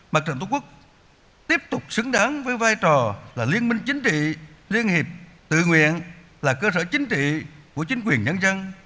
mặt trận tổ quốc tiếp tục xứng đáng với vai trò là liên minh chính trị liên hiệp tự nguyện là cơ sở chính trị của chính quyền nhân dân